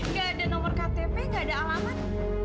nggak ada nomor ktp nggak ada alamat